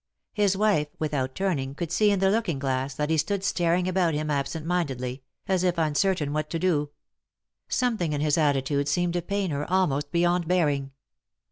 His wife, without turning, could see, in the looking glass, that he stood staring about him absent mindedly, as if uncertain what to do ; something in his attitude seemed to pain her almost beyond bearing.